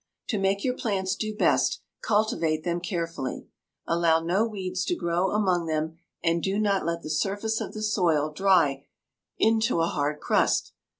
To make your plants do best, cultivate them carefully. Allow no weeds to grow among them and do not let the surface of the soil dry into a hard crust.